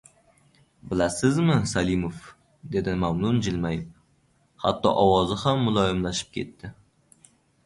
— Bilasizmi, Salimov! — dedi mamnun jilmayib, hatto ovozi ham muloyimlashib ketdi.